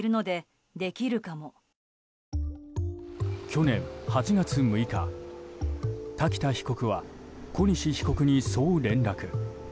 去年８月６日、瀧田被告は小西被告にそう連絡。